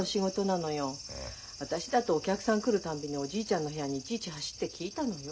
私だってお客さん来るたんびにおじいちゃんの部屋にいちいち走って聞いたのよ。